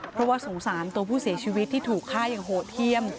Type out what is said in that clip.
เพราะว่าสงสารตัวผู้เสียชีวิตที่ถูกฆ่าอย่างโหดเยี่ยม